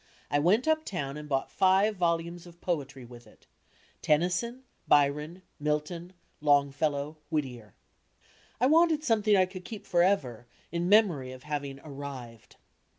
I went up town and bought five volumes of poetry DigilizedbyGOOgle with it Tennyson, Byron, Milton, Longfellow, Whittier. I wanted something I could keep for ever in memory of having "arrived."